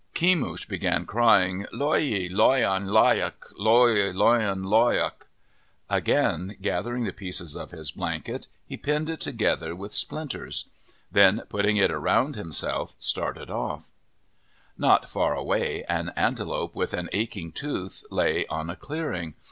Kemush began crying, " Lo i loyan loyak. Lo loyan loyak" Again gathering the pieces of his blanket, he pinned it together with splinters. Then putting it around himself, started off. 28 OF THE PACIFIC NORTHWEST Not far away an antelope with an aching tooth lay on a clearing.